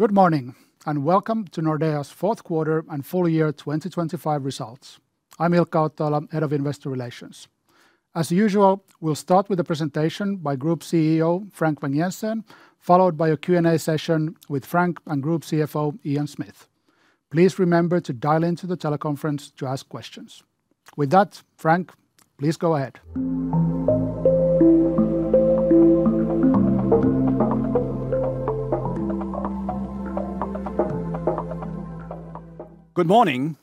Good morning and welcome to Nordea's Fourth Quarter and Full-Year 2025 Results. I'm Ilkka Ottoila, Head of Investor Relations. As usual, we'll start with a presentation by Group CEO Frank Vang-Jensen, followed by a Q&A session with Frank and Group CFO Ian Smith. Please remember to dial into the teleconference to ask questions. With that, Frank, please go ahead. Good morning.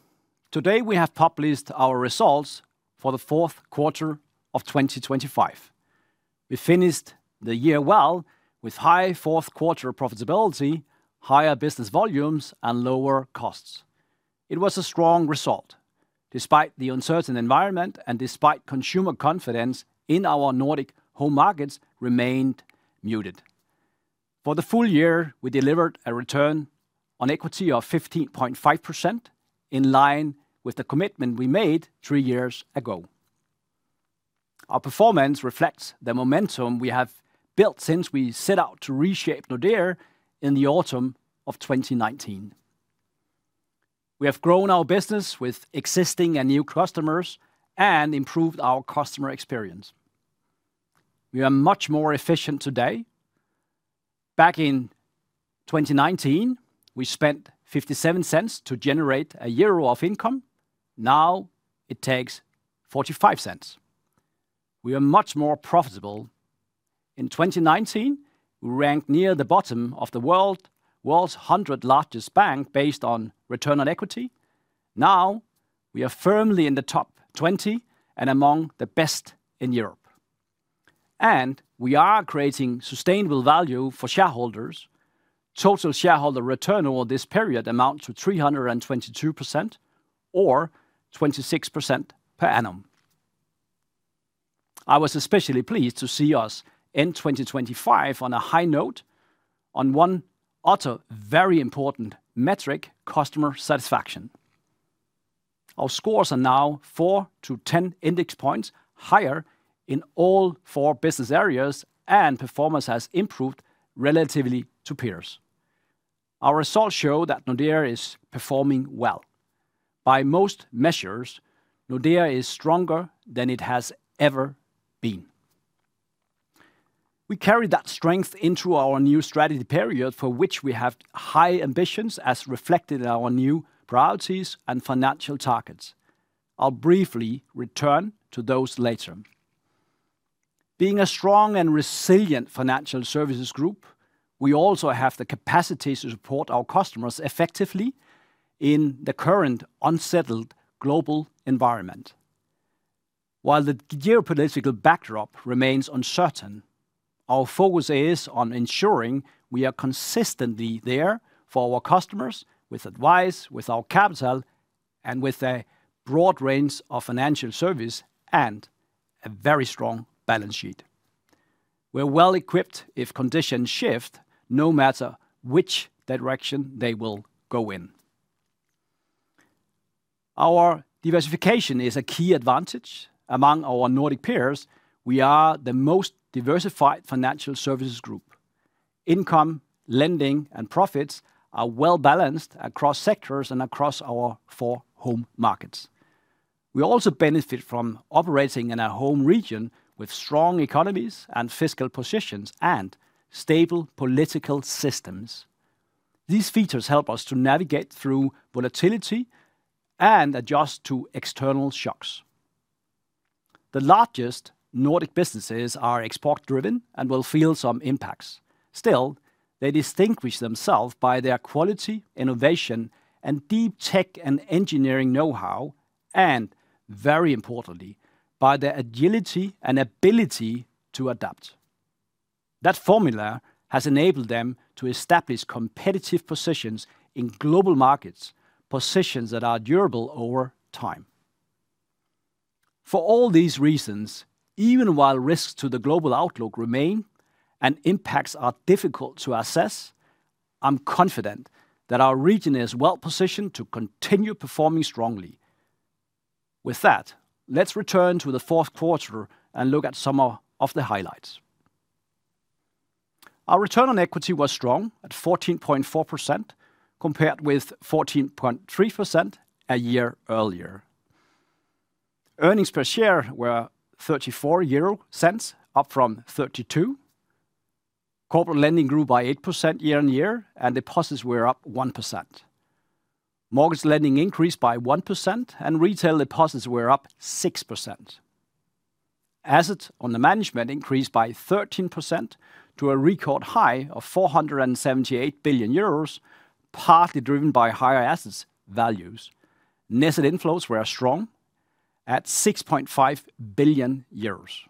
Today we have published our results for the fourth quarter of 2025. We finished the year well with high fourth quarter profitability, higher business volumes, and lower costs. It was a strong result despite the uncertain environment and despite consumer confidence in our Nordic home markets remained muted. For the full year, we delivered a return on equity of 15.5% in line with the commitment we made three years ago. Our performance reflects the momentum we have built since we set out to reshape Nordea in the autumn of 2019. We have grown our business with existing and new customers and improved our customer experience. We are much more efficient today. Back in 2019, we spent 0.57 to generate EUR 1 of income. Now it takes 0.45. We are much more profitable. In 2019, we ranked near the bottom of the world's 100 largest banks based on return on equity. Now we are firmly in the top 20 and among the best in Europe. We are creating sustainable value for shareholders. Total shareholder return over this period amounts to 322% or 26% per annum. I was especially pleased to see us in 2025 on a high note on one other very important metric, customer satisfaction. Our scores are now 4-10 index points higher in all four business areas, and performance has improved relatively to peers. Our results show that Nordea is performing well. By most measures, Nordea is stronger than it has ever been. We carried that strength into our new strategy period, for which we have high ambitions as reflected in our new priorities and financial targets. I'll briefly return to those later. Being a strong and resilient financial services group, we also have the capacity to support our customers effectively in the current unsettled global environment. While the geopolitical backdrop remains uncertain, our focus is on ensuring we are consistently there for our customers with advice, with our capital, and with a broad range of financial services and a very strong balance sheet. We're well equipped if conditions shift, no matter which direction they will go in. Our diversification is a key advantage among our Nordic peers. We are the most diversified financial services group. Income, lending, and profits are well balanced across sectors and across our four home markets. We also benefit from operating in a home region with strong economies and fiscal positions and stable political systems. These features help us to navigate through volatility and adjust to external shocks. The largest Nordic businesses are export-driven and will feel some impacts. Still, they distinguish themselves by their quality, innovation, and deep tech and engineering know-how, and very importantly, by their agility and ability to adapt. That formula has enabled them to establish competitive positions in global markets, positions that are durable over time. For all these reasons, even while risks to the global outlook remain and impacts are difficult to assess, I'm confident that our region is well-positioned to continue performing strongly. With that, let's return to the fourth quarter and look at some of the highlights. Our return on equity was strong at 14.4% compared with 14.3% a year earlier. Earnings per share were 0.34, up from 0.32. Corporate lending grew by 8% year-on-year, and deposits were up 1%. Mortgage lending increased by 1%, and retail deposits were up 6%. Assets under management increased by 13% to a record high of 478 billion euros, partly driven by higher asset values. Net inflows were strong at 6.5 billion euros.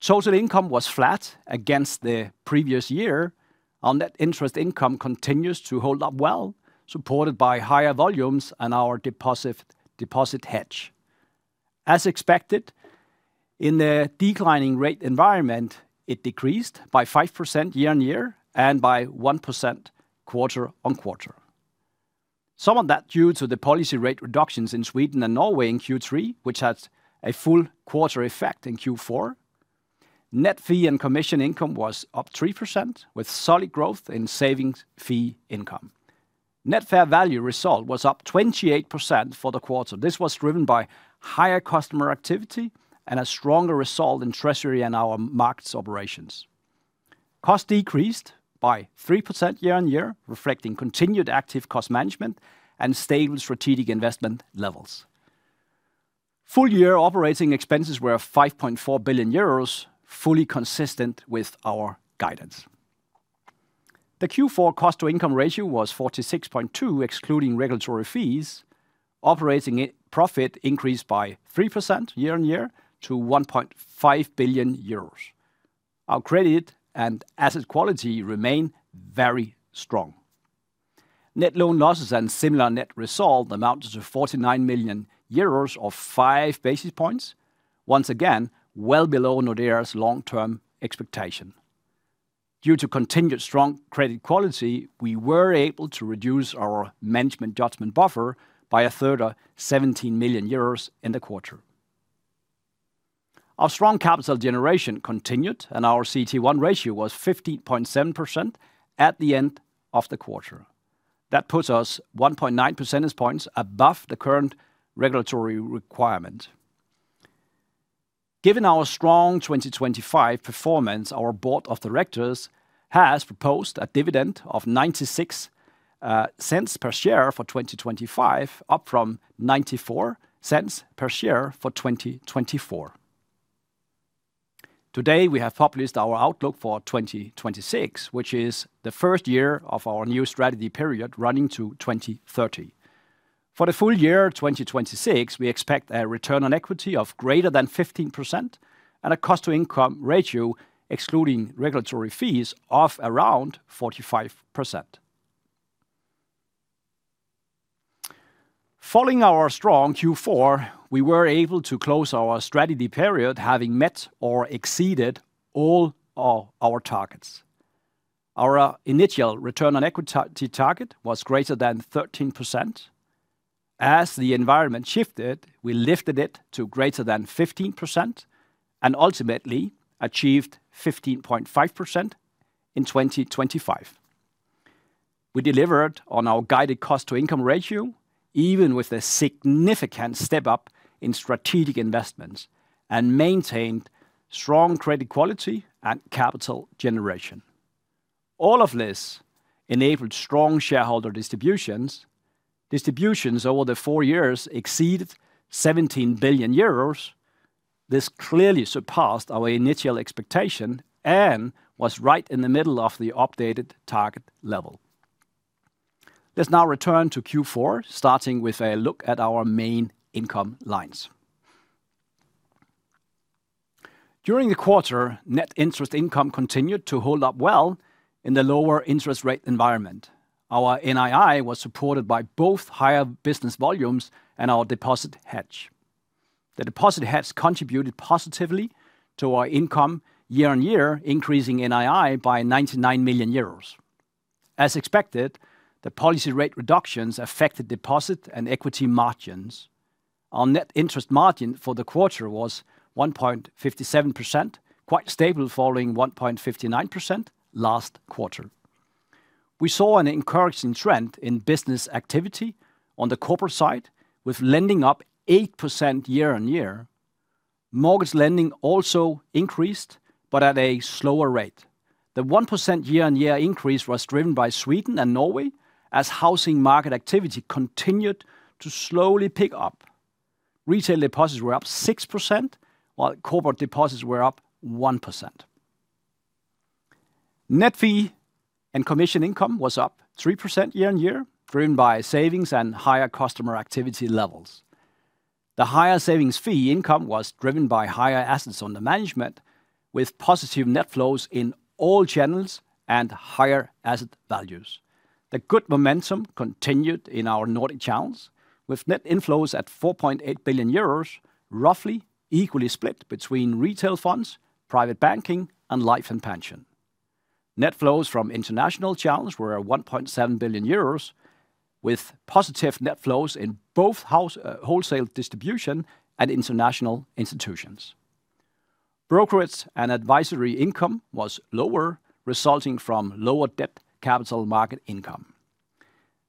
Total income was flat against the previous year. Net interest income continues to hold up well, supported by higher volumes and our deposit hedge. As expected, in the declining rate environment, it decreased by 5% year-on-year and by 1% quarter-on-quarter. Some of that due to the policy rate reductions in Sweden and Norway in Q3, which had a full quarter effect in Q4. Net fee and commission income was up 3%, with solid growth in savings fee income. Net fair value result was up 28% for the quarter. This was driven by higher customer activity and a stronger result in Treasury and our markets operations. Costs decreased by 3% year-on-year, reflecting continued active cost management and stable strategic investment levels. Full-year operating expenses were 5.4 billion euros, fully consistent with our guidance. The Q4 cost-to-income ratio was 46.2%, excluding regulatory fees. Operating profit increased by 3% year-on-year to 1.5 billion euros. Our credit and asset quality remain very strong. Net loan losses and similar net result amounted to 49 million euros or 5 basis points, once again well below Nordea's long-term expectation. Due to continued strong credit quality, we were able to reduce our management judgment buffer by a third of 17 million euros in the quarter. Our strong capital generation continued, and our CET1 ratio was 15.7% at the end of the quarter. That puts us 1.9 percentage points above the current regulatory requirement. Given our strong 2025 performance, our board of directors has proposed a dividend of 0.96 per share for 2025, up from 0.94 per share for 2024. Today, we have published our outlook for 2026, which is the first year of our new strategy period running to 2030. For the full year 2026, we expect a return on equity of greater than 15% and a cost-to-income ratio, excluding regulatory fees, of around 45%. Following our strong Q4, we were able to close our strategy period, having met or exceeded all our targets. Our initial return on equity target was greater than 13%. As the environment shifted, we lifted it to greater than 15% and ultimately achieved 15.5% in 2025. We delivered on our guided cost-to-income ratio, even with a significant step up in strategic investments, and maintained strong credit quality and capital generation. All of this enabled strong shareholder distributions. Distributions over the four years exceeded 17 billion euros. This clearly surpassed our initial expectation and was right in the middle of the updated target level. Let's now return to Q4, starting with a look at our main income lines. During the quarter, net interest income continued to hold up well in the lower interest rate environment. Our NII was supported by both higher business volumes and our deposit hedge. The deposit hedge contributed positively to our income year-on-year, increasing NII by 99 million euros. As expected, the policy rate reductions affected deposit and equity margins. Our net interest margin for the quarter was 1.57%, quite stable following 1.59% last quarter. We saw an encouraging trend in business activity on the corporate side, with lending up 8% year-on-year. Mortgage lending also increased, but at a slower rate. The 1% year-on-year increase was driven by Sweden and Norway, as housing market activity continued to slowly pick up. Retail deposits were up 6%, while corporate deposits were up 1%. Net fee and commission income was up 3% year-on-year, driven by savings and higher customer activity levels. The higher savings fee income was driven by higher assets under management, with positive net flows in all channels and higher asset values. The good momentum continued in our Nordic channels, with net inflows at 4.8 billion euros, roughly equally split between retail funds, Private Banking, and Life & Pension. Net flows from international channels were 1.7 billion euros, with positive net flows in both wholesale distribution and international institutions. Brokerage and advisory income was lower, resulting from lower debt capital market income.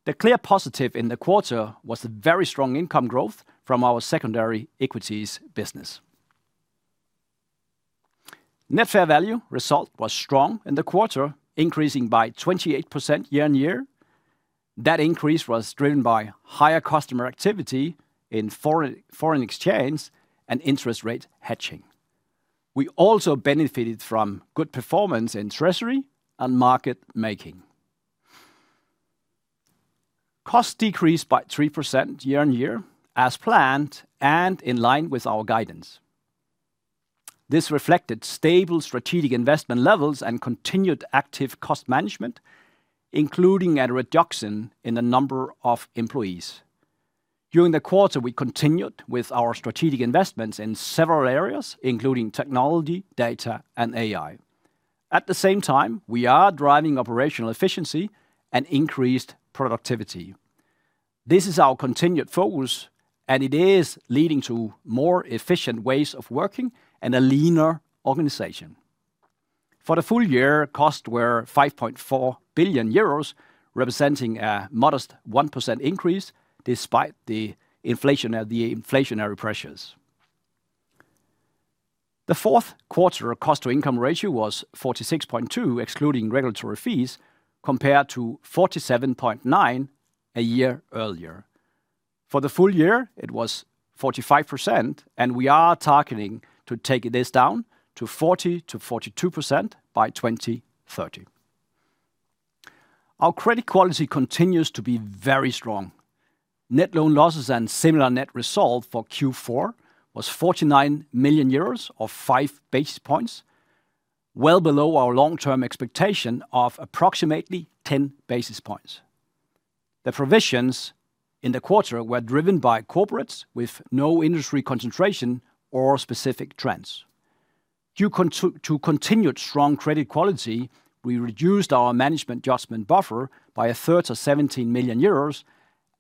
The clear positive in the quarter was the very strong income growth from our secondary equities business. Net fair value result was strong in the quarter, increasing by 28% year-on-year. That increase was driven by higher customer activity in foreign exchange and interest rate hedging. We also benefited from good performance in treasury and market making. Cost decreased by 3% year-on-year, as planned and in line with our guidance. This reflected stable strategic investment levels and continued active cost management, including a reduction in the number of employees. During the quarter, we continued with our strategic investments in several areas, including technology, data, and AI. At the same time, we are driving operational efficiency and increased productivity. This is our continued focus, and it is leading to more efficient ways of working and a leaner organization. For the full year, costs were 5.4 billion euros, representing a modest 1% increase despite the inflationary pressures. The fourth quarter cost-to-income ratio was 46.2%, excluding regulatory fees, compared to 47.9% a year earlier. For the full year, it was 45%, and we are targeting to take this down to 40%-42% by 2030. Our credit quality continues to be very strong. Net loan losses and similar net result for Q4 was 49 million euros or five basis points, well below our long-term expectation of approximately 10 basis points. The provisions in the quarter were driven by corporates with no industry concentration or specific trends. Due to continued strong credit quality, we reduced our management judgment buffer by a third to 17 million euros,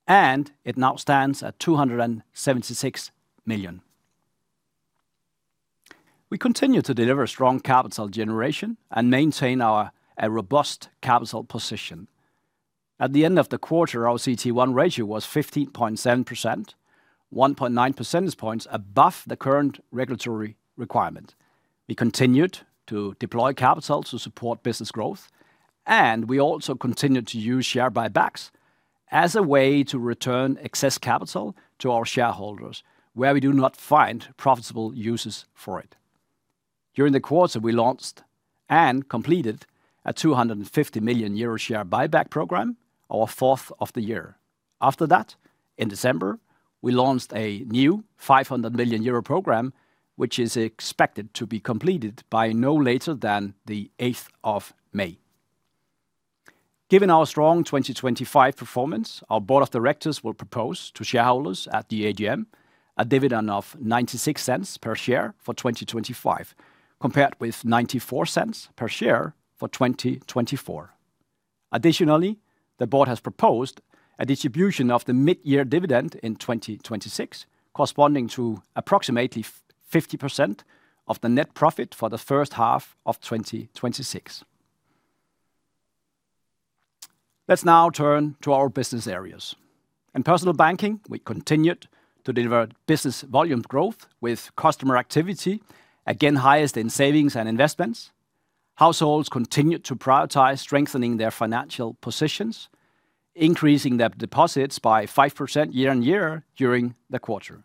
and it now stands at 276 million. We continue to deliver strong capital generation and maintain our robust capital position. At the end of the quarter, our CET1 ratio was 15.7%, 1.9 percentage points above the current regulatory requirement. We continued to deploy capital to support business growth, and we also continued to use share buybacks as a way to return excess capital to our shareholders, where we do not find profitable uses for it. During the quarter, we launched and completed a 250 million euro share buyback program, our fourth of the year. After that, in December, we launched a new 500 million euro program, which is expected to be completed by no later than the 8th of May. Given our strong 2025 performance, our board of directors will propose to shareholders at the AGM a dividend of 0.96 per share for 2025, compared with 0.94 per share for 2024. Additionally, the board has proposed a distribution of the mid-year dividend in 2026, corresponding to approximately 50% of the net profit for the first half of 2026. Let's now turn to our business areas. In Personal Banking, we continued to deliver business volume growth, with customer activity again highest in savings and investments. Households continued to prioritize strengthening their financial positions, increasing their deposits by 5% year-over-year during the quarter.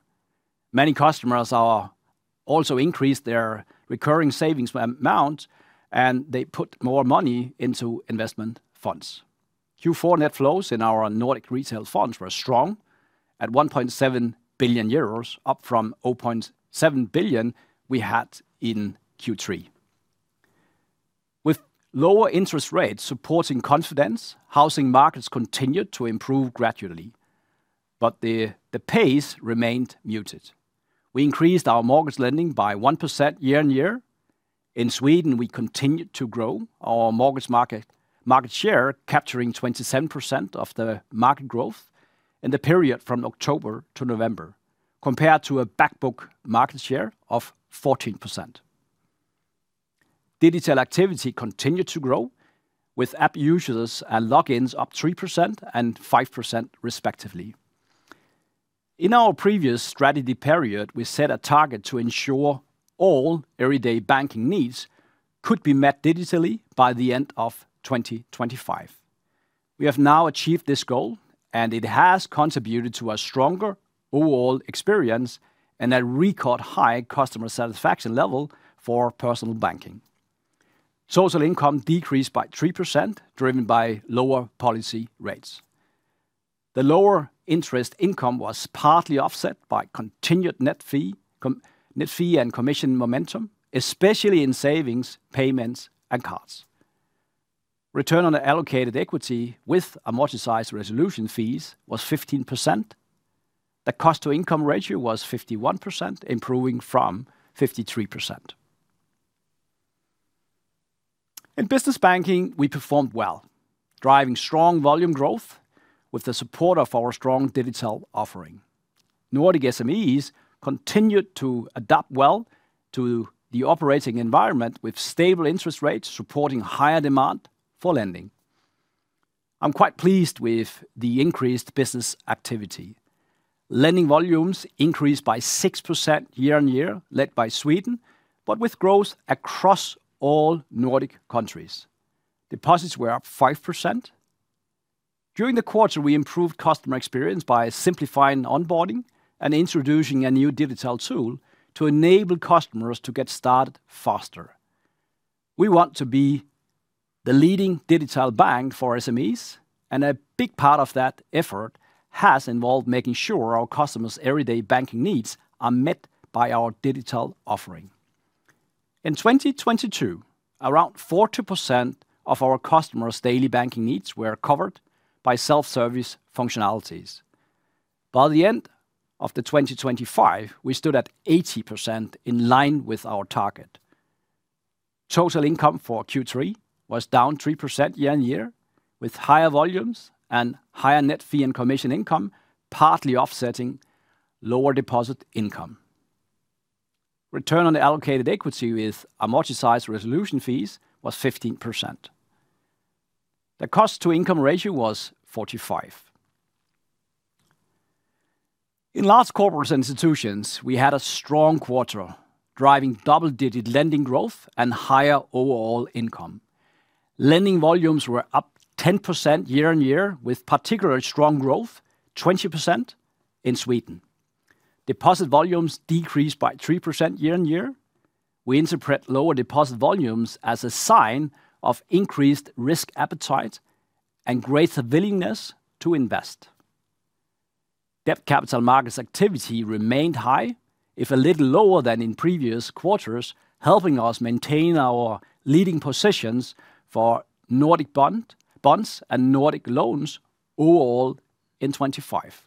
Many customers also increased their recurring savings amount, and they put more money into investment funds. Q4 net flows in our Nordic retail funds were strong at 1.7 billion euros, up from 0.7 billion we had in Q3. With lower interest rates supporting confidence, housing markets continued to improve gradually, but the pace remained muted. We increased our mortgage lending by 1% year-over-year. In Sweden, we continued to grow our mortgage market share, capturing 27% of the market growth in the period from October to November, compared to a back book market share of 14%. Digital activity continued to grow, with app users and logins up 3% and 5% respectively. In our previous strategy period, we set a target to ensure all everyday banking needs could be met digitally by the end of 2025. We have now achieved this goal, and it has contributed to a stronger overall experience and a record high customer satisfaction level for Personal Banking. Net interest income decreased by 3%, driven by lower policy rates. The lower interest income was partly offset by continued net fee and commission momentum, especially in savings, payments, and cards. Return on allocated equity with amortized resolution fees was 15%. The cost-to-income ratio was 51%, improving from 53%. In Business Banking, we performed well, driving strong volume growth with the support of our strong digital offering. Nordic SMEs continued to adapt well to the operating environment, with stable interest rates supporting higher demand for lending. I'm quite pleased with the increased business activity. Lending volumes increased by 6% year-over-year, led by Sweden, but with growth across all Nordic countries. Deposits were up 5%. During the quarter, we improved customer experience by simplifying onboarding and introducing a new digital tool to enable customers to get started faster. We want to be the leading digital bank for SMEs, and a big part of that effort has involved making sure our customers' everyday banking needs are met by our digital offering. In 2022, around 40% of our customers' daily banking needs were covered by self-service functionalities. By the end of 2025, we stood at 80% in line with our target. Total income for Q3 was down 3% year-on-year, with higher volumes and higher net fee and commission income partly offsetting lower deposit income. Return on allocated equity with amortized resolution fees was 15%. The cost-to-income ratio was 45%. In Large Corporates & Institutions, we had a strong quarter, driving double-digit lending growth and higher overall income. Lending volumes were up 10% year-on-year, with particularly strong growth, 20% in Sweden. Deposit volumes decreased by 3% year-on-year. We interpret lower deposit volumes as a sign of increased risk appetite and greater willingness to invest. Debt capital markets activity remained high, if a little lower than in previous quarters, helping us maintain our leading positions for Nordic bonds and Nordic loans overall in 2025.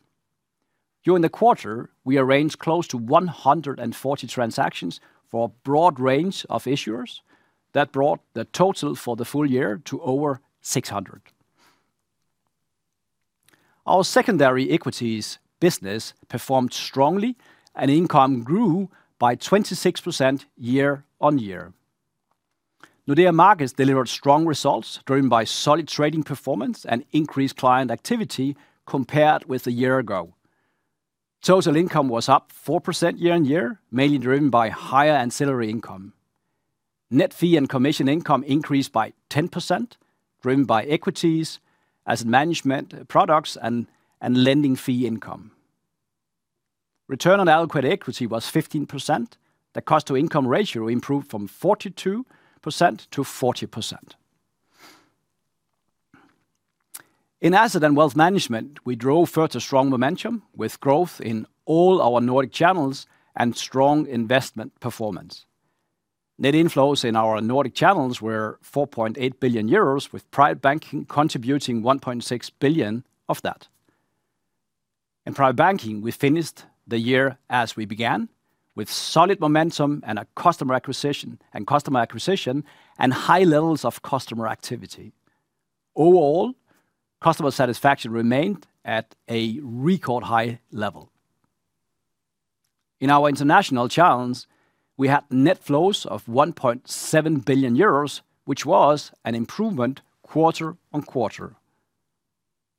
During the quarter, we arranged close to 140 transactions for a broad range of issuers. That brought the total for the full year to over 600. Our secondary equities business performed strongly, and income grew by 26% year-on-year. Nordea Markets delivered strong results driven by solid trading performance and increased client activity compared with a year ago. Total income was up 4% year-on-year, mainly driven by higher ancillary income. Net fee and commission income increased by 10%, driven by equities, asset management products, and lending fee income. Return on allocated equity was 15%. The cost-to-income ratio improved from 42%-40%. In Asset & Wealth Management, we drove further strong momentum with growth in all our Nordic channels and strong investment performance. Net inflows in our Nordic channels were 4.8 billion euros, with Private Banking contributing 1.6 billion of that. In Private Banking, we finished the year as we began, with solid momentum and customer acquisition and high levels of customer activity. Overall, customer satisfaction remained at a record high level. In our international channels, we had net flows of 1.7 billion euros, which was an improvement quarter-over-quarter.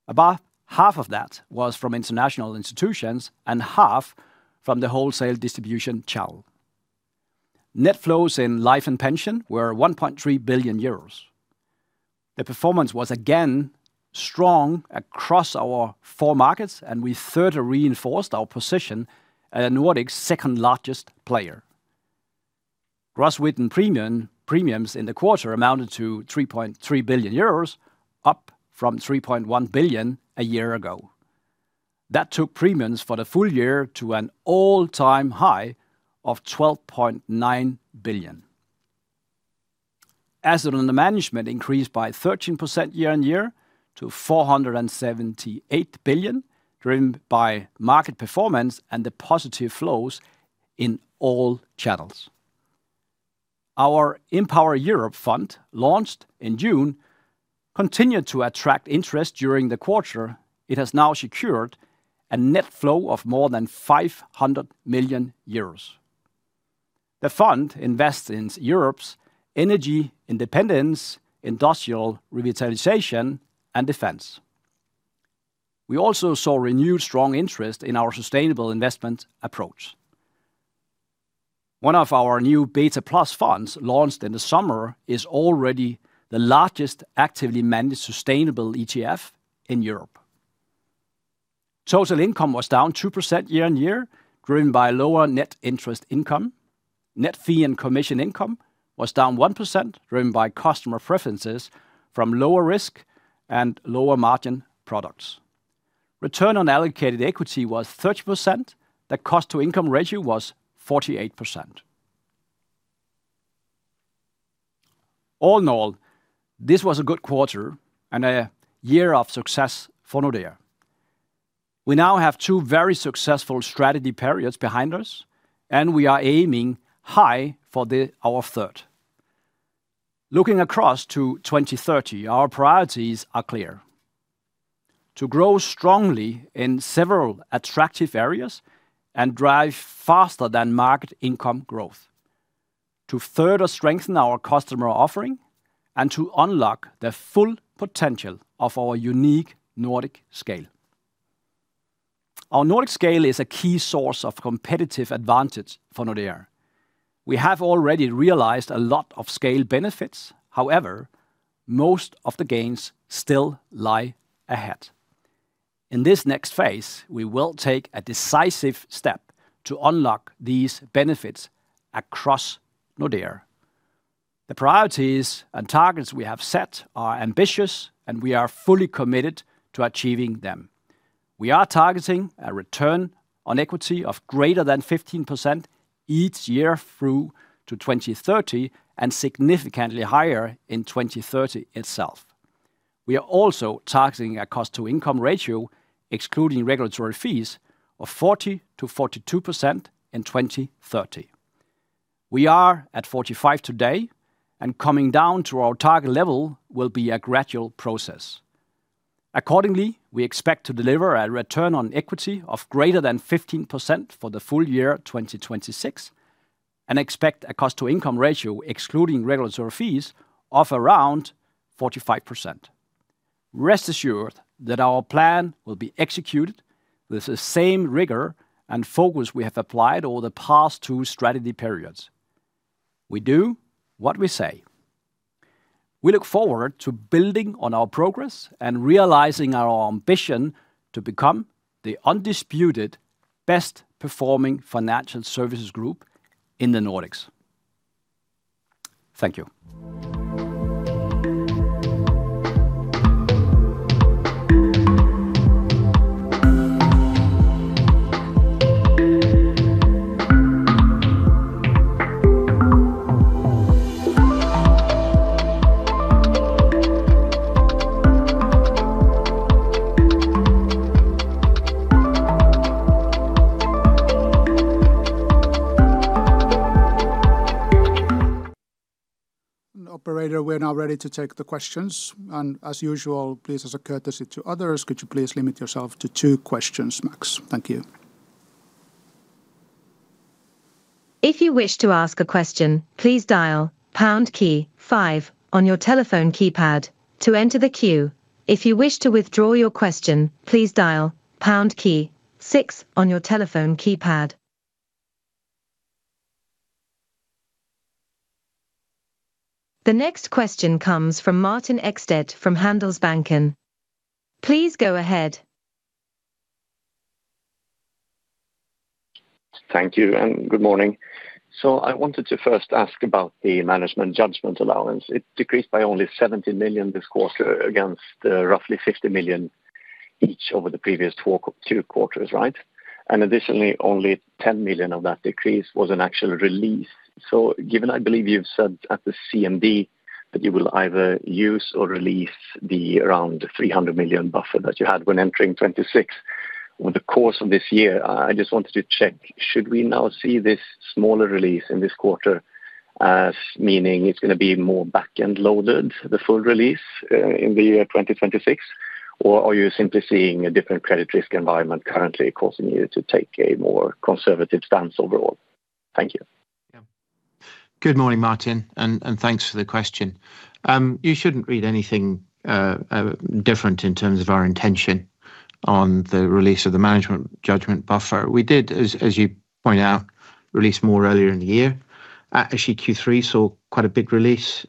About half of that was from international institutions and half from the wholesale distribution channel. Net flows in life and pension were 1.3 billion euros. The performance was again strong across our four markets, and we further reinforced our position as a Nordic second-largest player. Gross written premiums in the quarter amounted to 3.3 billion euros, up from 3.1 billion a year ago. That took premiums for the full year to an all-time high of 12.9 billion. Assets under management increased by 13% year-on-year to 478 billion, driven by market performance and the positive flows in all channels. Our Empower Europe Fund launched in June continued to attract interest during the quarter. It has now secured a net flow of more than 500 million euros. The fund invests in Europe's energy independence, industrial revitalization, and defense. We also saw renewed strong interest in our sustainable investment approach. One of our new Beta Plus Funds launched in the summer is already the largest actively managed sustainable ETF in Europe. Total income was down 2% year-over-year, driven by lower net interest income. Net fee and commission income was down 1%, driven by customer preferences from lower risk and lower margin products. Return on allocated equity was 30%. The cost-to-income ratio was 48%. All in all, this was a good quarter and a year of success for Nordea. We now have two very successful strategy periods behind us, and we are aiming high for our third. Looking across to 2030, our priorities are clear: to grow strongly in several attractive areas and drive faster than market income growth, to further strengthen our customer offering, and to unlock the full potential of our unique Nordic scale. Our Nordic scale is a key source of competitive advantage for Nordea. We have already realized a lot of scale benefits. However, most of the gains still lie ahead. In this next phase, we will take a decisive step to unlock these benefits across Nordea. The priorities and targets we have set are ambitious, and we are fully committed to achieving them. We are targeting a return on equity of greater than 15% each year through to 2030 and significantly higher in 2030 itself. We are also targeting a cost-to-income ratio, excluding regulatory fees, of 40%-42% in 2030. We are at 45% today, and coming down to our target level will be a gradual process. Accordingly, we expect to deliver a return on equity of greater than 15% for the full year 2026 and expect a cost-to-income ratio, excluding regulatory fees, of around 45%. Rest assured that our plan will be executed with the same rigor and focus we have applied over the past two strategy periods. We do what we say. We look forward to building on our progress and realizing our ambition to become the undisputed best-performing financial services group in the Nordics. Thank you. Operator, we're now ready to take the questions. As usual, please as a courtesy to others, could you please limit yourself to 2 questions max? Thank you. If you wish to ask a question, please dial pound key five on your telephone keypad to enter the queue. If you wish to withdraw your question, please dial pound key six on your telephone keypad. The next question comes from Martin Ekstedt from Handelsbanken. Please go ahead. Thank you and good morning. I wanted to first ask about the management judgment allowance. It decreased by only 17 million this quarter against roughly 50 million each over the previous 2 quarters, right? Additionally, only 10 million of that decrease was an actual release. So given I believe you've said at the CMD that you will either use or release the around 300 million buffer that you had when entering 2026 with the course of this year, I just wanted to check, should we now see this smaller release in this quarter as meaning it's going to be more back-end loaded, the full release in the year 2026, or are you simply seeing a different credit risk environment currently causing you to take a more conservative stance overall? Thank you. Yeah. Good morning, Martin, and thanks for the question. You shouldn't read anything different in terms of our intention on the release of the management judgment buffer. We did, as you point out, release more earlier in the year. Actually, Q3 saw quite a big release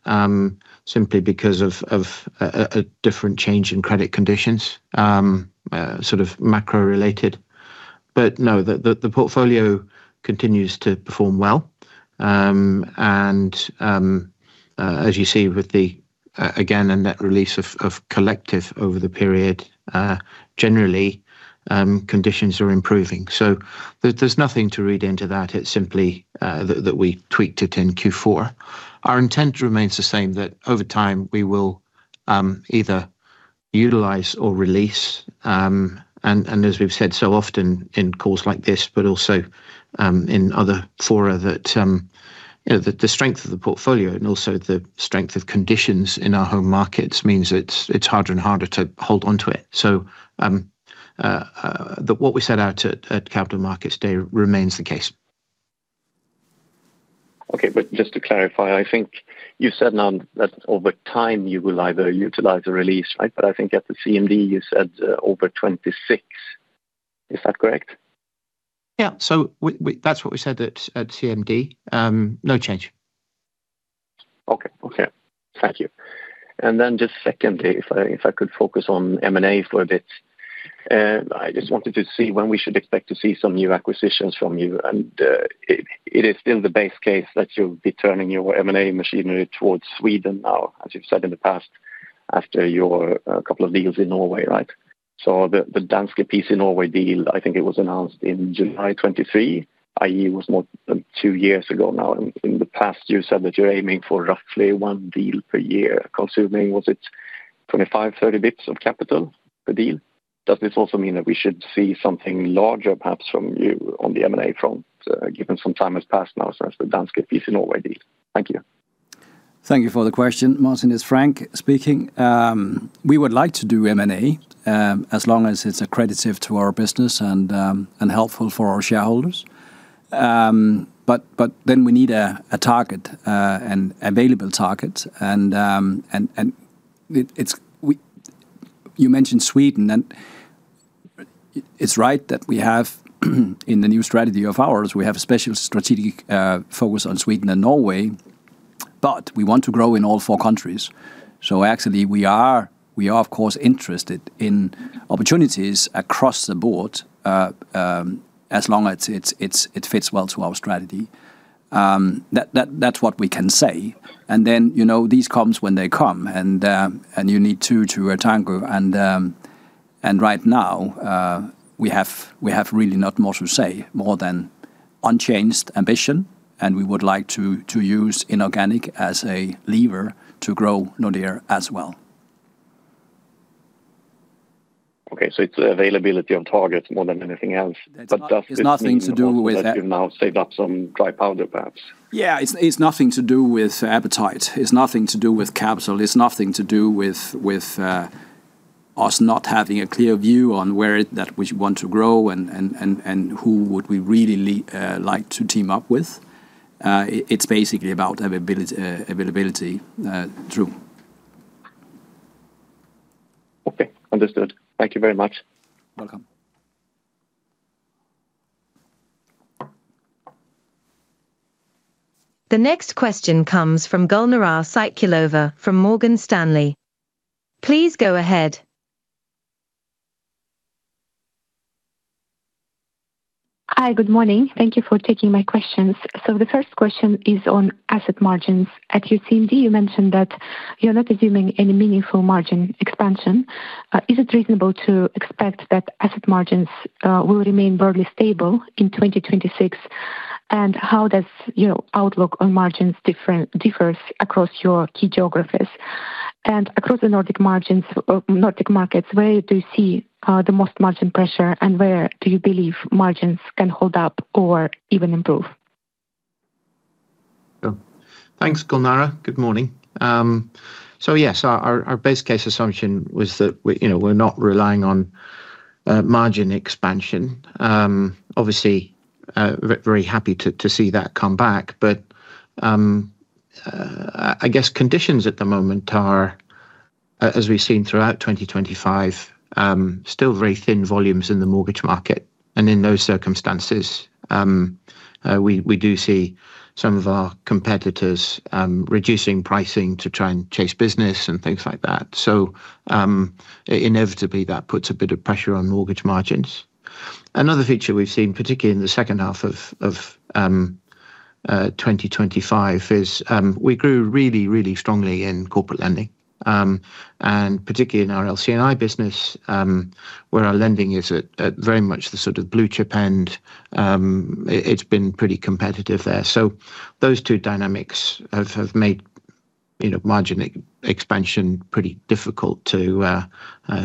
simply because of a different change in credit conditions, sort of macro-related. But no, the portfolio continues to perform well. And as you see with the, again, a net release of collective over the period, generally, conditions are improving. So there's nothing to read into that. It's simply that we tweaked it in Q4. Our intent remains the same that over time we will either utilize or release. And as we've said so often in calls like this, but also in other fora, that the strength of the portfolio and also the strength of conditions in our home markets means it's harder and harder to hold onto it. So what we set out at Capital Markets Day remains the case. Okay, but just to clarify, I think you said that over time you will either utilize or release, right? But I think at the CMD you said over 2026. Is that correct? Yeah, so that's what we said at CMD. No change. Okay, okay. Thank you. Then just secondly, if I could focus on M&A for a bit, I just wanted to see when we should expect to see some new acquisitions from you. And it is still the base case that you'll be turning your M&A machinery towards Sweden now, as you've said in the past, after your couple of deals in Norway, right? So the Danske PC Norway deal, I think it was announced in July 2023, i.e., was more than two years ago now. In the past, you said that you're aiming for roughly one deal per year, consuming, was it 25, 30 basis points of capital per deal? Does this also mean that we should see something larger, perhaps from you on the M&A front, given some time has passed now since the Danske PC Norway deal? Thank you. Thank you for the question. Martin is Frank speaking. We would like to do M&A as long as it's accretive to our business and helpful for our shareholders. But then we need a target, an available target. You mentioned Sweden, and it's right that we have in the new strategy of ours, we have a special strategic focus on Sweden and Norway, but we want to grow in all four countries. So actually, we are, of course, interested in opportunities across the board as long as it fits well to our strategy. That's what we can say. And then these come when they come, and you need two to tango. And right now, we have really not much to say more than unchanged ambition, and we would like to use inorganic as a lever to grow Nordea as well. Okay, so it's the availability of targets more than anything else. But it's nothing to do with that. You've now saved up some dry powder, perhaps. Yeah, it's nothing to do with appetite. It's nothing to do with capital. It's nothing to do with us not having a clear view on where that we want to grow and who would we really like to team up with. It's basically about availability through. Okay, understood. Thank you very much. Welcome. The next question comes from Gulnara Saitkulova from Morgan Stanley. Please go ahead. Hi, good morning. Thank you for taking my questions. So the first question is on asset margins. At your CMD, you mentioned that you're not assuming any meaningful margin expansion. Is it reasonable to expect that asset margins will remain broadly stable in 2026? And how does your outlook on margins differs across your key geographies? Across the Nordic markets, where do you see the most margin pressure, and where do you believe margins can hold up or even improve? Thanks, Gulnara. Good morning. So yes, our base case assumption was that we're not relying on margin expansion. Obviously, very happy to see that come back. But I guess conditions at the moment are, as we've seen throughout 2025, still very thin volumes in the mortgage market. And in those circumstances, we do see some of our competitors reducing pricing to try and chase business and things like that. So inevitably, that puts a bit of pressure on mortgage margins. Another feature we've seen, particularly in the second half of 2025, is we grew really, really strongly in corporate lending. And particularly in our LC&I business, where our lending is at very much the sort of blue chip end, it's been pretty competitive there. So those two dynamics have made margin expansion pretty difficult to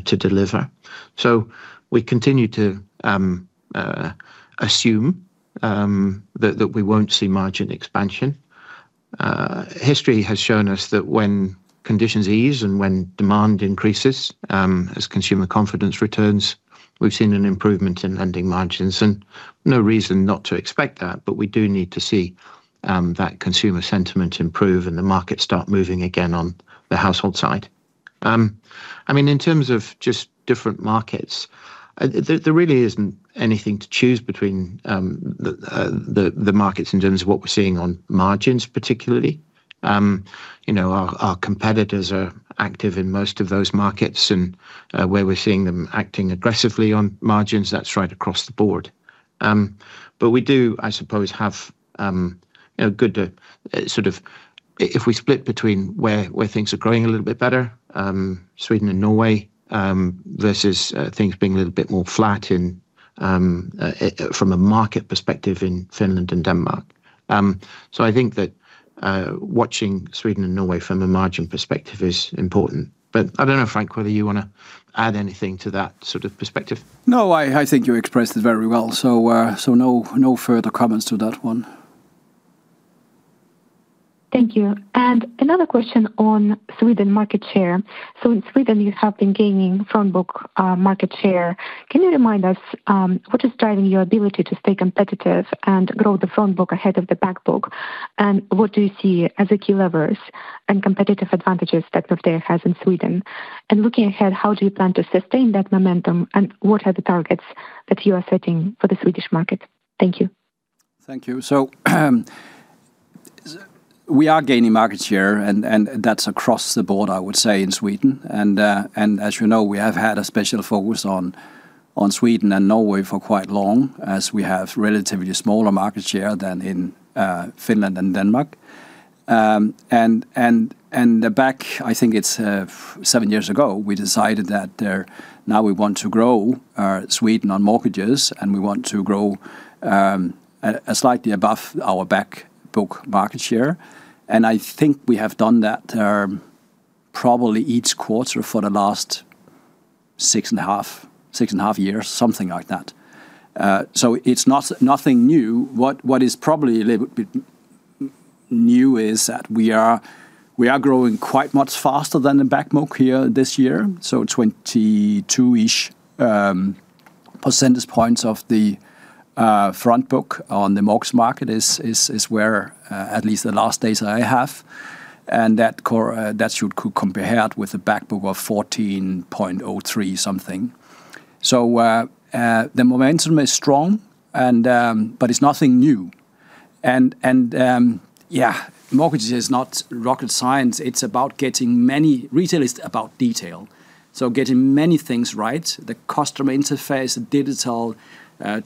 deliver. So we continue to assume that we won't see margin expansion. History has shown us that when conditions ease and when demand increases, as consumer confidence returns, we've seen an improvement in lending margins. And no reason not to expect that, but we do need to see that consumer sentiment improve and the market start moving again on the household side. I mean, in terms of just different markets, there really isn't anything to choose between the markets in terms of what we're seeing on margins, particularly. Our competitors are active in most of those markets, and where we're seeing them acting aggressively on margins, that's right across the board. But we do, I suppose, have a good sort of, if we split between where things are growing a little bit better, Sweden and Norway, versus things being a little bit more flat from a market perspective in Finland and Denmark. So I think that watching Sweden and Norway from a margin perspective is important. But I don't know, Frank, whether you want to add anything to that sort of perspective. No, I think you expressed it very well. So no further comments to that one. Thank you. Another question on Sweden market share. So in Sweden, you have been gaining front book market share. Can you remind us what is driving your ability to stay competitive and grow the front book ahead of the back book? And what do you see as the key levers and competitive advantages that Nordea has in Sweden? Looking ahead, how do you plan to sustain that momentum and what are the targets that you are setting for the Swedish market? Thank you. Thank you. So we are gaining market share, and that's across the board, I would say, in Sweden. As you know, we have had a special focus on Sweden and Norway for quite long, as we have relatively smaller market share than in Finland and Denmark. I think it's 7 years ago, we decided that now we want to grow Sweden on mortgages, and we want to grow slightly above our back book market share. I think we have done that probably each quarter for the last 6.5 years, something like that. So it's nothing new. What is probably a little bit new is that we are growing quite much faster than the back book here this year. So 22-ish percentage points of the front book on the mortgage market is where, at least the last data I have, and that should compare with the back book of 14.03 something. So the momentum is strong, but it's nothing new. And yeah, mortgage is not rocket science. It's about getting many retailers about detail. So getting many things right, the customer interface, the digital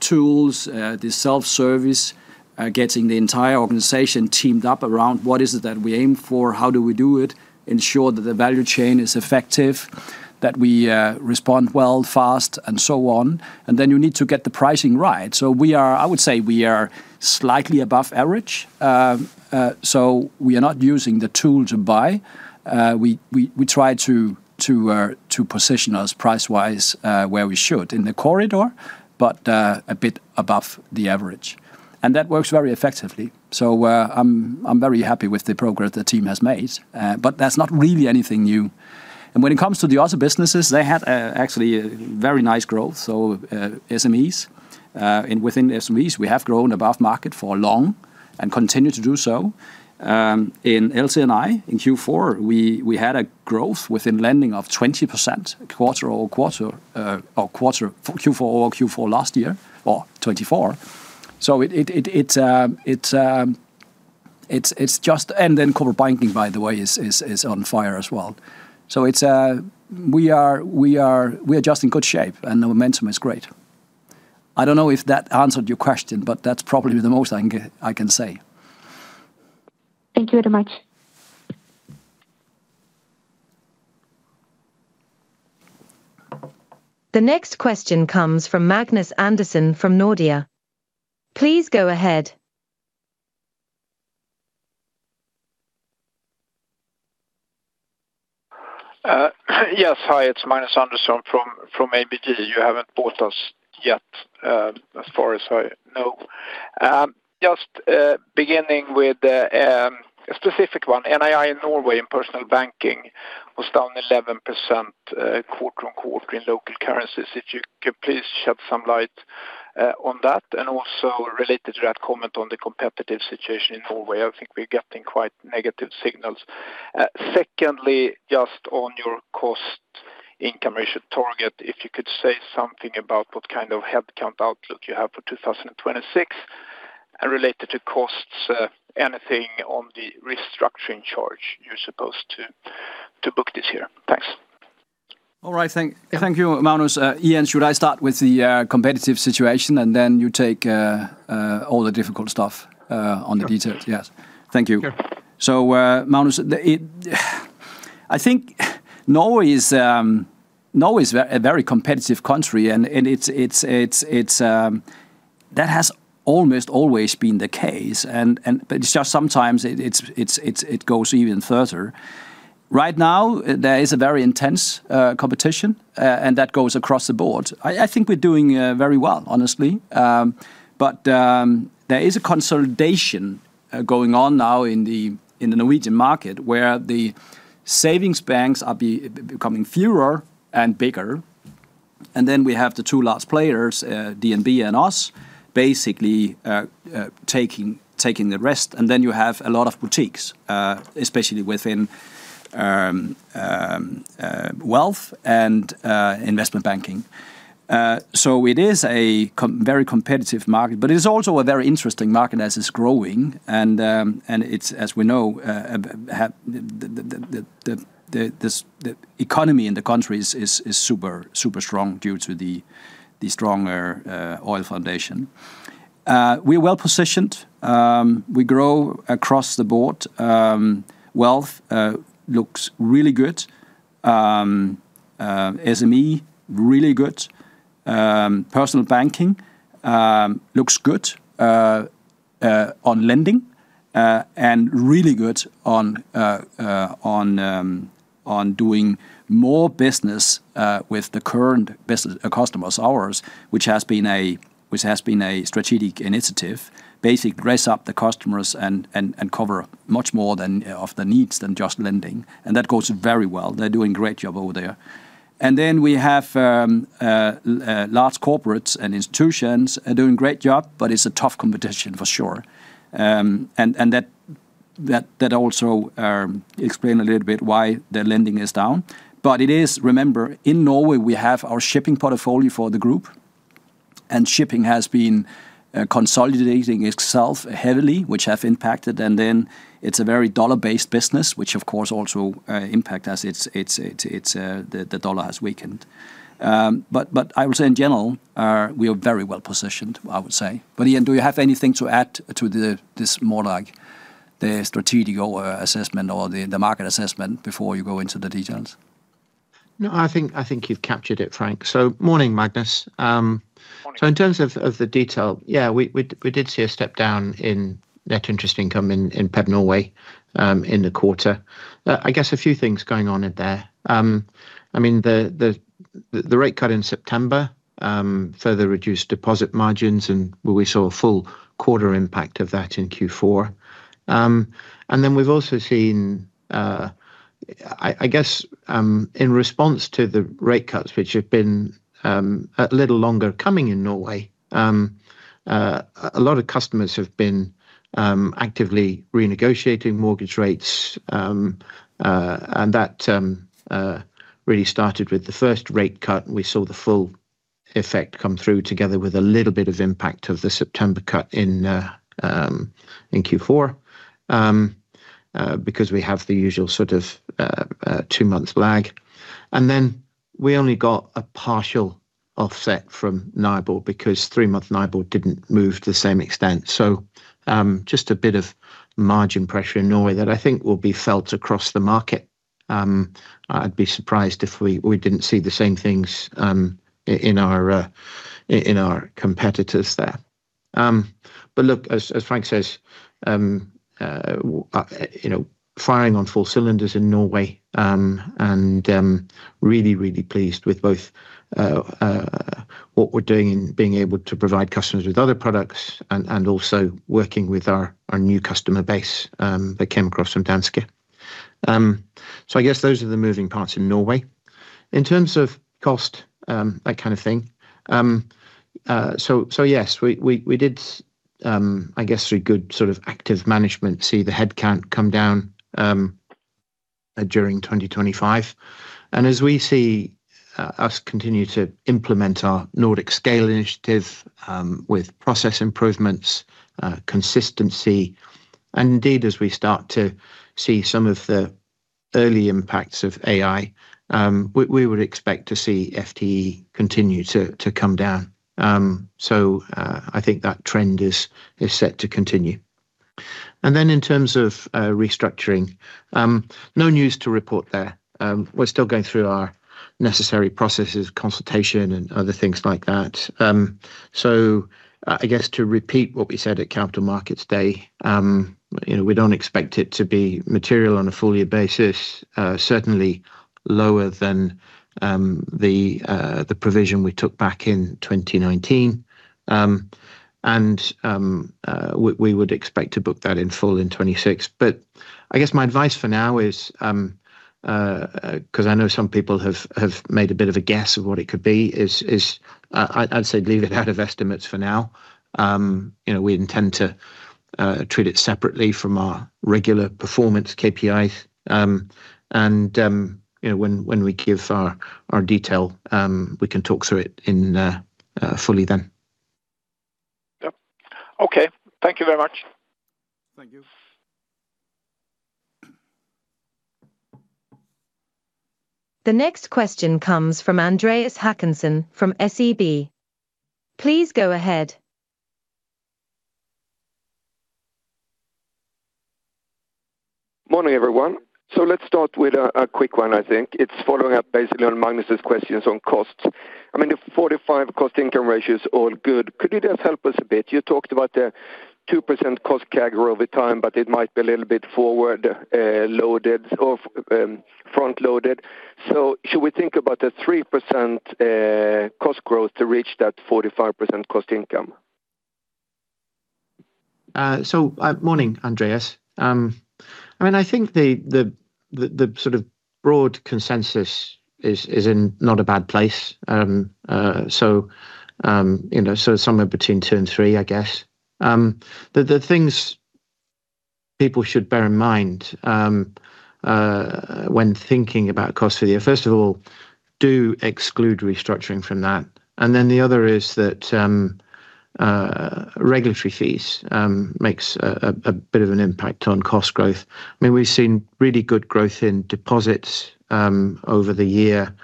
tools, the self-service, getting the entire organization teamed up around what is it that we aim for, how do we do it, ensure that the value chain is effective, that we respond well, fast, and so on. And then you need to get the pricing right. So I would say we are slightly above average. So we are not using the tool to buy. We try to position us price-wise where we should in the corridor, but a bit above the average. And that works very effectively. So I'm very happy with the progress the team has made. But that's not really anything new. And when it comes to the other businesses, they had actually very nice growth. So SMEs, within SMEs, we have grown above market for long and continue to do so. In LC&I, in Q4, we had a growth within lending of 20%, quarter-on-quarter—Q4 or Q4 last year or 2024. So it's just, and then corporate banking, by the way, is on fire as well. So we are just in good shape, and the momentum is great. I don't know if that answered your question, but that's probably the most I can say. Thank you very much. The next question comes from Magnus Andersson from ABG. Please go ahead. Yes, hi, it's Magnus Andersson from ABG. You haven't bought us yet, as far as I know. Just beginning with a specific one, NII in Norway in Personal Banking was down 11% quarter-over-quarter in local currencies. If you could please shed some light on that and also related to that comment on the competitive situation in Norway, I think we're getting quite negative signals. Secondly, just on your cost income ratio target, if you could say something about what kind of headcount outlook you have for 2026 and related to costs, anything on the restructuring charge you're supposed to book this year. Thanks. All right, thank you, Magnus. Ian, should I start with the competitive situation, and then you take all the difficult stuff on the details? Yes. Thank you. So Magnus, I think Norway is a very competitive country, and that has almost always been the case. But it's just sometimes it goes even further. Right now, there is a very intense competition, and that goes across the board. I think we're doing very well, honestly. But there is a consolidation going on now in the Norwegian market, where the savings banks are becoming fewer and bigger. And then we have the two last players, DNB and us, basically taking the rest. And then you have a lot of boutiques, especially within wealth and investment banking. So it is a very competitive market, but it is also a very interesting market as it's growing. And as we know, the economy in the country is super strong due to the stronger oil foundation. We're well-positioned. We grow across the board. Wealth looks really good. SME, really good. Personal Banking looks good on lending and really good on doing more business with the current customers, ours, which has been a strategic initiative, basically dress up the customers and cover much more of the needs than just lending. That goes very well. They're doing a great job over there. Then we have Large Corporates & Institutions doing a great job, but it's a tough competition for sure. That also explains a little bit why the lending is down. It is, remember, in Norway, we have our shipping portfolio for the group, and shipping has been consolidating itself heavily, which has impacted. Then it's a very dollar-based business, which, of course, also impacts as the dollar has weakened. I would say, in general, we are very well-positioned, I would say. But Ian, do you have anything to add to this more like the strategic assessment or the market assessment before you go into the details? No, I think you've captured it, Frank. So morning, Magnus. So in terms of the detail, yeah, we did see a step-down in net interest income in PEB Norway in the quarter. I guess a few things going on in there. I mean, the rate cut in September further reduced deposit margins, and we saw a full-quarter impact of that in Q4. And then we've also seen, I guess, in response to the rate cuts, which have been a little longer coming in Norway, a lot of customers have been actively renegotiating mortgage rates. That really started with the first rate cut, and we saw the full effect come through together with a little bit of impact of the September cut in Q4 because we have the usual sort of two-month lag. And then we only got a partial offset from NIBOR because three-month NIBOR didn't move to the same extent. So just a bit of margin pressure in Norway that I think will be felt across the market. I'd be surprised if we didn't see the same things in our competitors there. But look, as Frank says, firing on full cylinders in Norway and really, really pleased with both what we're doing and being able to provide customers with other products and also working with our new customer base that came across from Danske. So I guess those are the moving parts in Norway. In terms of cost, that kind of thing. So yes, we did, I guess, through good sort of active management, see the headcount come down during 2025. And as we see us continue to implement our Nordic scale initiative with process improvements, consistency, and indeed, as we start to see some of the early impacts of AI, we would expect to see FTE continue to come down. So I think that trend is set to continue. And then in terms of restructuring, no news to report there. We're still going through our necessary processes, consultation, and other things like that. So I guess to repeat what we said at Capital Markets Day, we don't expect it to be material on a full-year basis, certainly lower than the provision we took back in 2019. And we would expect to book that in full in 2026. But I guess my advice for now is, because I know some people have made a bit of a guess of what it could be, is I'd say leave it out of estimates for now. We intend to treat it separately from our regular performance KPIs. And when we give our detail, we can talk through it fully then. Yep. Okay. Thank you very much. Thank you. The next question comes from Andreas Håkansson from SEB. Please go ahead. Morning, everyone. So let's start with a quick one, I think. It's following up basically on Magnus's questions on costs. I mean, the 45% cost-income ratio is all good. Could you just help us a bit? You talked about the 2% cost category over time, but it might be a little bit forward-loaded or front-loaded. So should we think about a 3% cost growth to reach that 45% cost-income? So, morning, Andreas. I mean, I think the sort of broad consensus is in not a bad place. Somewhere between 2 and 3, I guess. The things people should bear in mind when thinking about cost for the year, first of all, do exclude restructuring from that. And then the other is that regulatory fees make a bit of an impact on cost growth. I mean, we've seen really good growth in deposits over the year.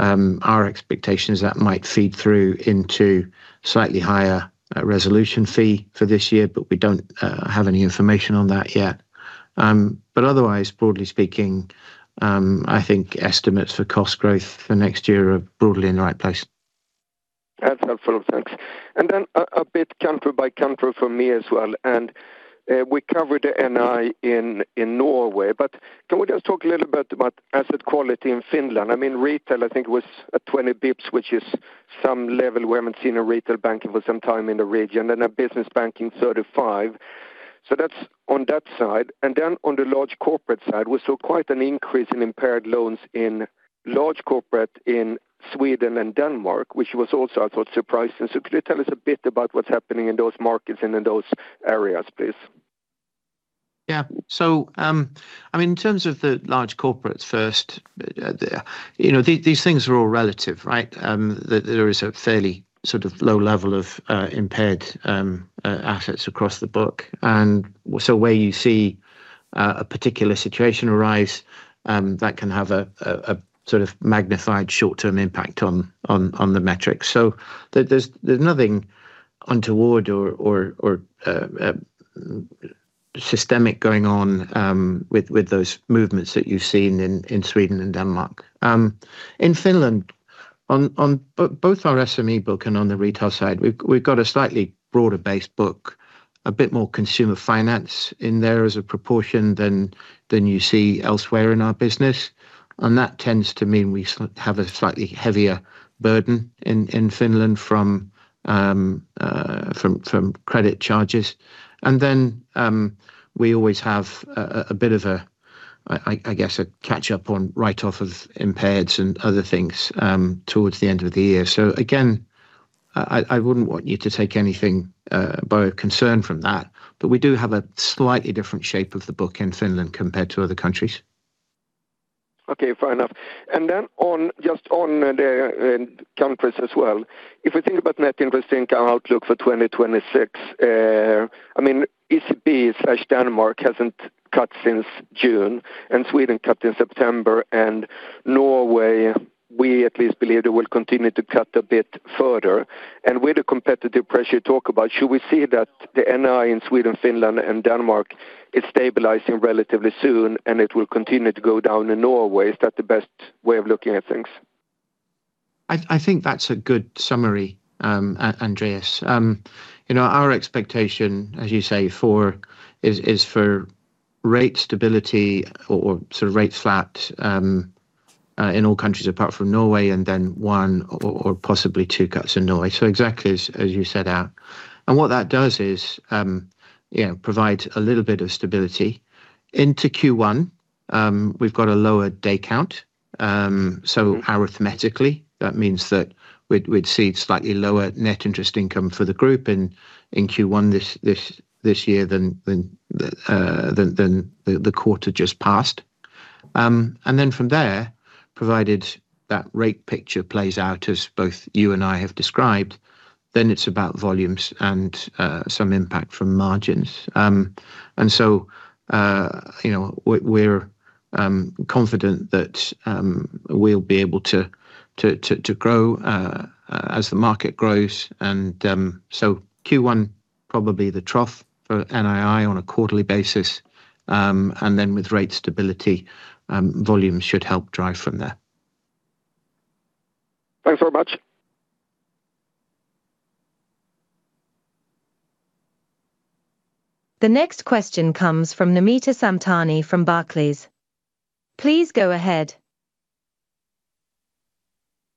Our expectation is that might feed through into slightly higher resolution fee for this year, but we don't have any information on that yet. But otherwise, broadly speaking, I think estimates for cost growth for next year are broadly in the right place. That's helpful. Thanks. And then a bit country by country for me as well. And we covered NII in Norway, but can we just talk a little bit about asset quality in Finland? I mean, retail, I think it was 20 bps, which is some level where I haven't seen a retail banking for some time in the region and a Business Banking 35. So that's on that side. And then on the large corporate side, we saw quite an increase in impaired loans in large corporate in Sweden and Denmark, which was also, I thought, surprising. So could you tell us a bit about what's happening in those markets and in those areas, please? Yeah. So I mean, in terms of the large corporates first, these things are all relative, right? There is a fairly sort of low level of impaired assets across the book. And so where you see a particular situation arise, that can have a sort of magnified short-term impact on the metrics. So there's nothing untoward or systemic going on with those movements that you've seen in Sweden and Denmark. In Finland, on both our SME book and on the retail side, we've got a slightly broader-based book, a bit more consumer finance in there as a proportion than you see elsewhere in our business. And that tends to mean we have a slightly heavier burden in Finland from credit charges. And then we always have a bit of a, I guess, a catch-up on write-off of impaireds and other things towards the end of the year. So again, I wouldn't want you to take anything by concern from that, but we do have a slightly different shape of the book in Finland compared to other countries. Okay, fair enough. And then just on the countries as well, if we think about net interest income outlook for 2026, I mean, ECB/Denmark hasn't cut since June, and Sweden cut in September. And Norway, we at least believe they will continue to cut a bit further. And with the competitive pressure you talk about, should we see that the NII in Sweden, Finland, and Denmark is stabilizing relatively soon and it will continue to go down in Norway, is that the best way of looking at things? I think that's a good summary, Andreas. Our expectation, as you say, is for rate stability or sort of rate flat in all countries apart from Norway, and then 1 or possibly 2 cuts in Norway. So exactly as you set out. And what that does is provide a little bit of stability. Into Q1, we've got a lower day count. So arithmetically, that means that we'd see slightly lower net interest income for the group in Q1 this year than the quarter just passed. And then from there, provided that rate picture plays out as both you and I have described, then it's about volumes and some impact from margins. And so we're confident that we'll be able to grow as the market grows. And so Q1, probably the trough for NII on a quarterly basis. And then with rate stability, volumes should help drive from there. Thanks very much. The next question comes from Namita Samtani from Barclays. Please go ahead.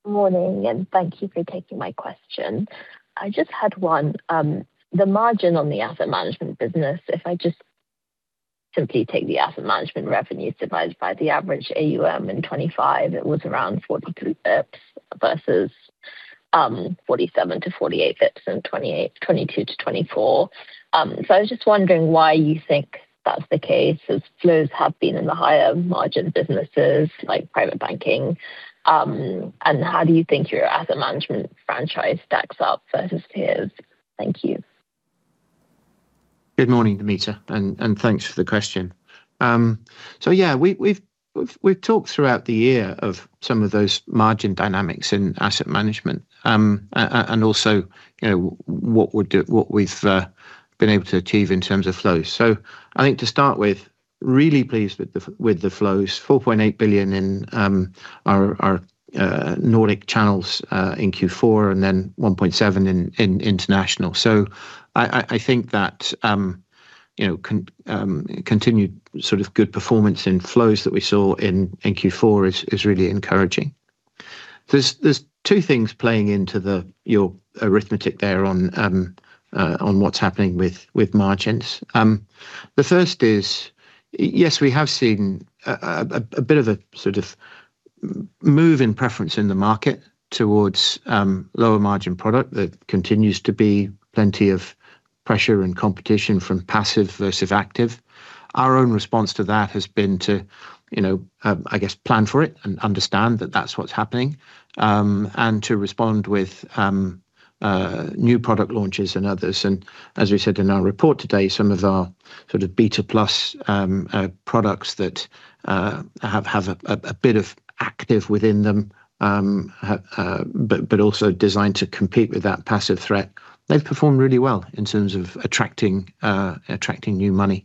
Morning, and thank you for taking my question. I just had one. The margin on the asset management business, if I just simply take the asset management revenues divided by the average AUM in 2025, it was around 42 basis points versus 47-48 basis points in 2022-2024. So I was just wondering why you think that's the case, as flows have been in the higher-margin businesses like Private Banking. And how do you think your asset management franchise stacks up versus peers? Thank you. Good morning, Namita. And thanks for the question. So yeah, we've talked throughout the year of some of those margin dynamics in asset management and also what we've been able to achieve in terms of flows. So I think to start with, really pleased with the flows, 4.8 billion in our Nordic channels in Q4 and then 1.7 billion in international. So I think that continued sort of good performance in flows that we saw in Q4 is really encouraging. There's two things playing into your arithmetic there on what's happening with margins. The first is, yes, we have seen a bit of a sort of move in preference in the market towards lower margin product. There continues to be plenty of pressure and competition from passive versus active. Our own response to that has been to, I guess, plan for it and understand that that's what's happening and to respond with new product launches and others. And as we said in our report today, some of our sort of beta plus products that have a bit of active within them, but also designed to compete with that passive threat, they've performed really well in terms of attracting new money.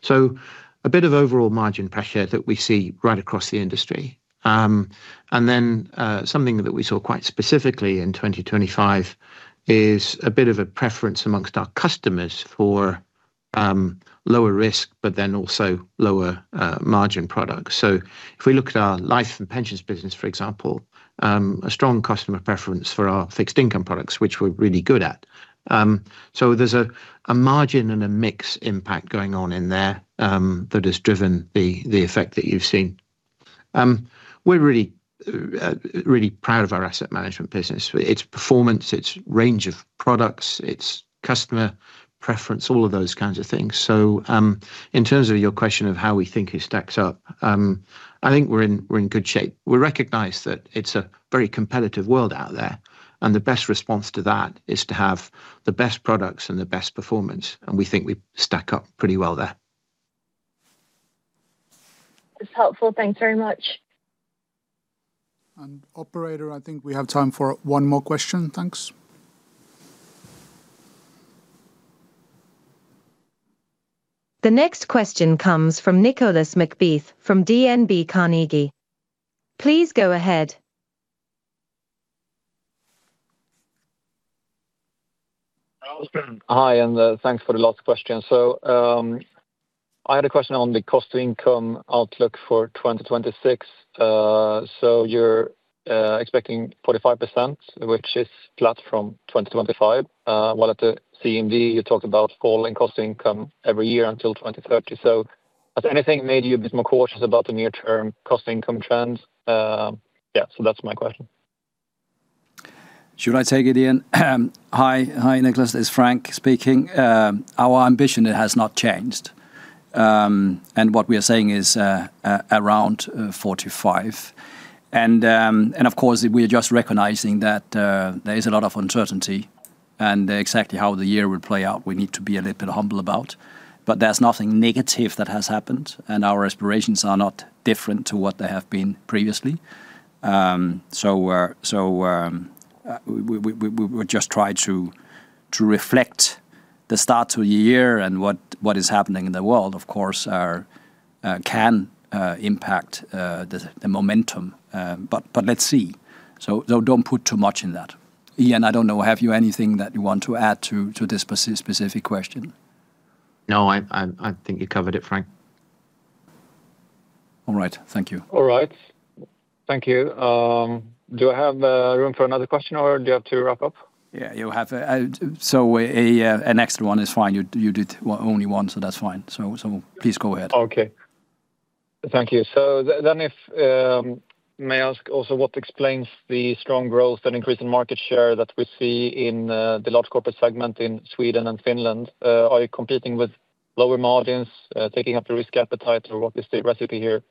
So a bit of overall margin pressure that we see right across the industry. And then something that we saw quite specifically in 2025 is a bit of a preference amongst our customers for lower risk, but then also lower margin products. So if we look at our life and pensions business, for example, a strong customer preference for our fixed income products, which we're really good at. So there's a margin and a mix impact going on in there that has driven the effect that you've seen. We're really proud of our asset management business. It's performance, it's range of products, it's customer preference, all of those kinds of things. So in terms of your question of how we think it stacks up, I think we're in good shape. We recognize that it's a very competitive world out there, and the best response to that is to have the best products and the best performance. And we think we stack up pretty well there. That's helpful. Thanks very much. And operator, I think we have time for one more question. Thanks. The next question comes from Nicolas McBeath from DNB Carnegie. Please go ahead. Hi, and thanks for the last question. So I had a question on the cost income outlook for 2026. So you're expecting 45%, which is flat from 2025. While at the CMD, you talked about fall in cost income every year until 2030. So has anything made you a bit more cautious about the near-term cost income trends? Yeah, so that's my question. Should I take it Ian? Hi, Nicolas, it's Frank speaking. Our ambition has not changed. What we are saying is around 45. Of course, we are just recognizing that there is a lot of uncertainty, and exactly how the year will play out, we need to be a little bit humble about. But there's nothing negative that has happened, and our aspirations are not different to what they have been previously. We'll just try to reflect the start of the year, and what is happening in the world, of course, can impact the momentum. But let's see. Don't put too much in that. Ian, I don't know, have you anything that you want to add to this specific question? No, I think you covered it, Frank. All right. Thank you. All right. Thank you. Do I have room for another question, or do you have to wrap up? Yeah, you have it. An extra one is fine. You did only one, so that's fine. So please go ahead. Okay. Thank you. So then, if I may ask also, what explains the strong growth and increase in market share that we see in the large corporate segment in Sweden and Finland? Are you competing with lower margins, taking up the risk appetite, or what is the recipe here?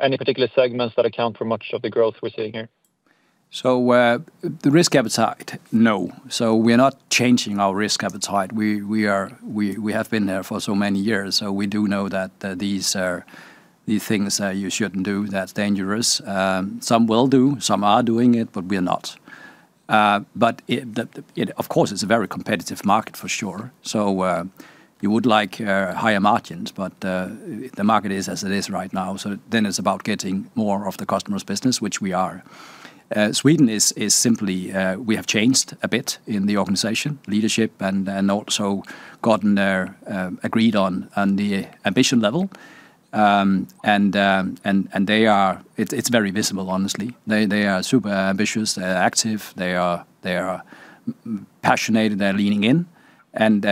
Any particular segments that account for much of the growth we're seeing here? So the risk appetite, no. So we are not changing our risk appetite. We have been there for so many years. So we do know that these things you shouldn't do, that's dangerous. Some will do, some are doing it, but we are not. But of course, it's a very competitive market, for sure. So you would like higher margins, but the market is as it is right now. So then it's about getting more of the customer's business, which we are. Sweden is simply we have changed a bit in the organization, leadership, and also gotten agreed on the ambition level. And it's very visible, honestly. They are super ambitious, they're active, they are passionate, they're leaning in. And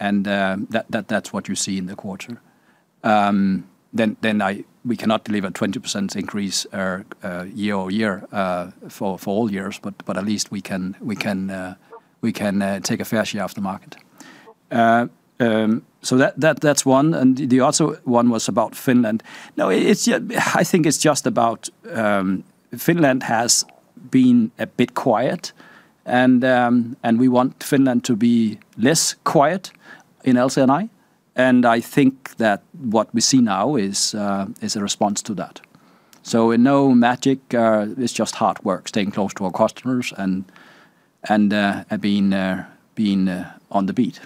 that's what you see in the quarter. Then we cannot deliver 20% increase year-over-year for all years, but at least we can take a fair share of the market. So that's one. And the other one was about Finland. No, I think it's just about Finland has been a bit quiet, and we want Finland to be less quiet in LC&I. And I think that what we see now is a response to that. So no magic, it's just hard work, staying close to our customers and being on the beat.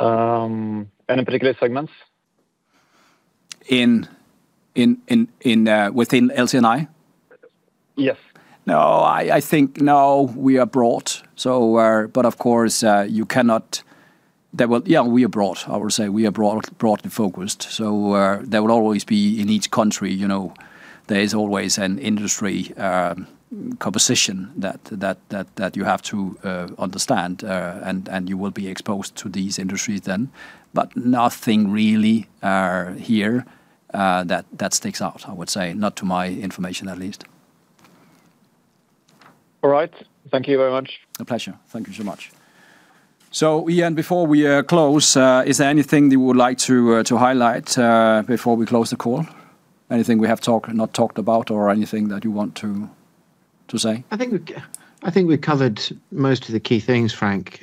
Any particular segments? Within LC&I? Yes. No, I think now we are broad. But of course, yeah, we are broad. I will say we are broadly focused. So there will always be in each country, there is always an industry composition that you have to understand, and you will be exposed to these industries then. But nothing really here that sticks out, I would say, not to my information at least. All right. Thank you very much. A pleasure. Thank you so much. So Ian, before we close, is there anything you would like to highlight before we close the call? Anything we have not talked about or anything that you want to say? I think we covered most of the key things, Frank.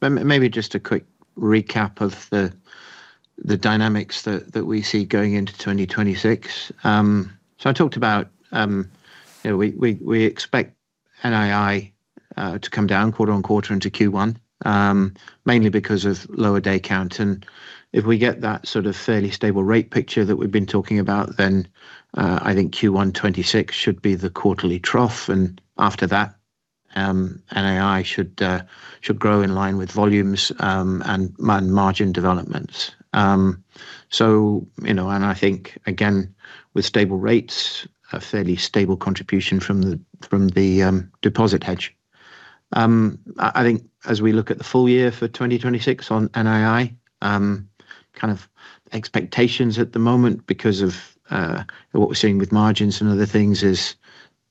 Maybe just a quick recap of the dynamics that we see going into 2026. So I talked about we expect NII to come down quarter-on-quarter into Q1, mainly because of lower day count. And if we get that sort of fairly stable rate picture that we've been talking about, then I think Q1 2026 should be the quarterly trough. And after that, NII should grow in line with volumes and margin developments. And I think, again, with stable rates, a fairly stable contribution from the deposit hedge. I think as we look at the full year for 2026 on NII, kind of expectations at the moment because of what we're seeing with margins and other things is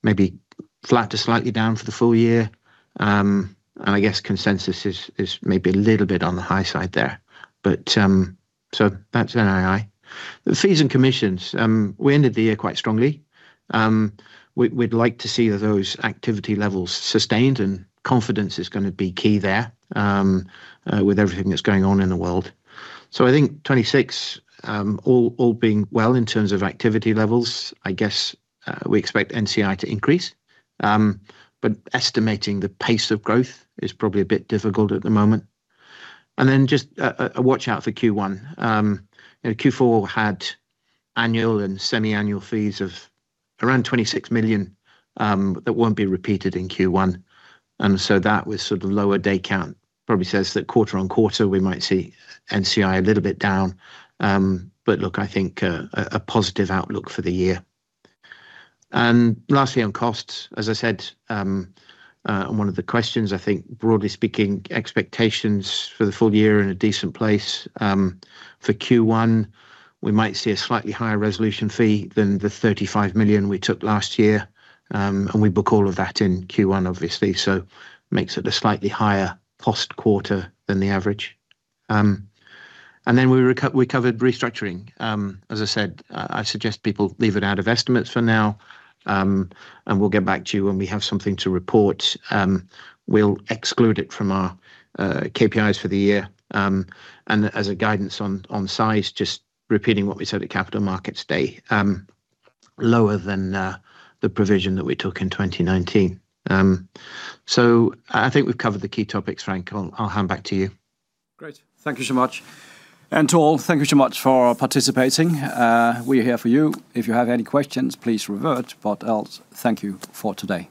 maybe flat or slightly down for the full year. And I guess consensus is maybe a little bit on the high side there. But so that's NII. The fees and commissions, we ended the year quite strongly. We'd like to see those activity levels sustained, and confidence is going to be key there with everything that's going on in the world. So I think 2026, all being well in terms of activity levels, I guess we expect NFCI to increase. But estimating the pace of growth is probably a bit difficult at the moment. And then just a watch out for Q1. Q4 had annual and semi-annual fees of around 26 million that won't be repeated in Q1. And so that was sort of lower day count. Probably says that quarter-on-quarter, we might see NFCI a little bit down. But look, I think a positive outlook for the year. And lastly, on costs, as I said, one of the questions, I think broadly speaking, expectations for the full year in a decent place. For Q1, we might see a slightly higher resolution fee than the 35 million we took last year. We book all of that in Q1, obviously. So makes it a slightly higher-cost quarter than the average. Then we covered restructuring. As I said, I suggest people leave it out of estimates for now. We'll get back to you when we have something to report. We'll exclude it from our KPIs for the year. As a guidance on size, just repeating what we said at Capital Markets Day, lower than the provision that we took in 2019. So I think we've covered the key topics, Frank. I'll hand back to you. Great. Thank you so much. To all, thank you so much for participating. We're here for you. If you have any questions, please revert. But else, thank you for today.